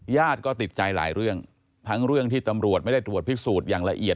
ญาติก็ติดใจหลายเรื่องทั้งเรื่องที่ตำรวจไม่ได้ตรวจพิสูจน์อย่างละเอียด